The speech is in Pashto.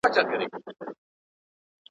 د وطن باده رارسېږه